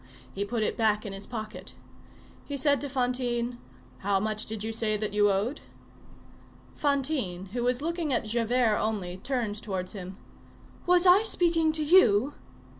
He put it back in his pocket. He said to Fantine, "How much did you say that you owed?" Fantine, who was looking at Javert only, turned towards him:— "Was I speaking to you?"